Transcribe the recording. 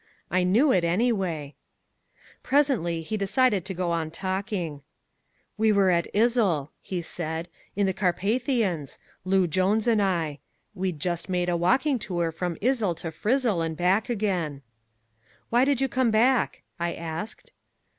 I knew it, anyway. Presently he decided to go on talking. "We were at Izzl," he said, "in the Carpathians, Loo Jones and I. We'd just made a walking tour from Izzl to Fryzzl and back again." "Why did you come back?" I asked.